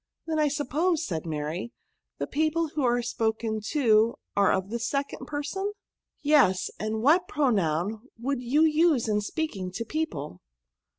'Then, I suppose,*' said Mary, ^' the people who are spoken to are of the second person?'* Yes ; and what pronoun woidd you Use in speaking to people?'